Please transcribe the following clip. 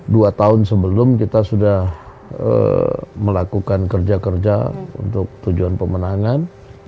dua tahun sebelum kita sudah melakukan kerja kerja untuk tujuan pemenangan